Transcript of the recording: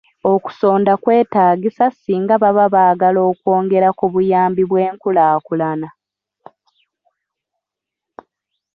Okusonda kwetaagisa singa baba baagala okwongera ku buyambi bw'enkulaakulana.